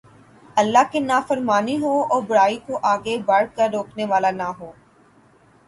اللہ کی نافرمانی ہو اور برائی کوآگے بڑھ کر روکنے والا نہ ہو